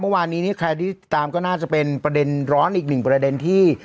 เมื่อวานนี้ใครที่ตามก็น่าจะเป็นประเด็นร้อนอีกหนึ่งประเด็นที่